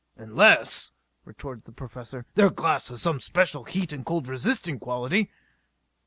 "Unless," retorted the Professor, "their glass has some special heat and cold resisting quality."